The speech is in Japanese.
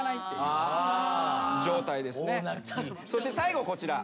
そして最後こちら。